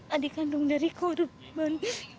adik kandung dari korban